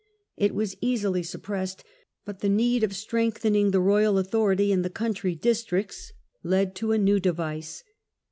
It was easily suppressed, but the need of strengthening the central authority in the country districts led to a new device.